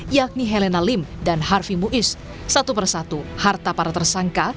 yakni helena lim dan harfi muiz satu persatu harta para tersangka